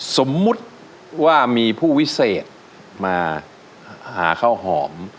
สมมุติว่ามีผู้วิเศษมาหาข้าวหอม